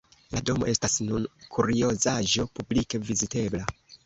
La domo estas nun kuriozaĵo publike vizitebla.